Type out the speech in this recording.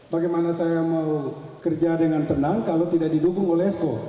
bagaimana saya mau kerja dengan tenang kalau tidak didukung oleh eko